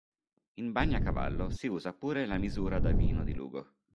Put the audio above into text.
In Bagnacavallo si usa pure la misura da vino di Lugo.